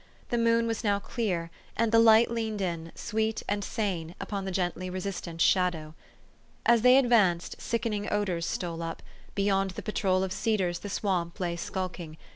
The moon was now clear, and the light leaned in, sweet and sane, upon the gently resistant shadow. As they advanced, sickening odors stole up ; beyond the patrol of cedars the swamp lay skulking.